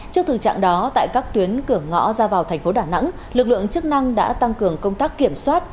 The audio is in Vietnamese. trước thực trạng đó tại các tuyến cửa ngõ ra vào thành phố đà nẵng lực lượng chức năng đã tăng cường công tác kiểm soát